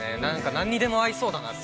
何にでも合いそうだなと。